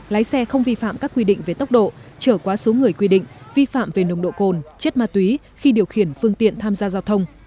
lái xe không vi phạm các quy định về tốc độ trở quá số người quy định vi phạm về nồng độ cồn chất ma túy khi điều khiển phương tiện tham gia giao thông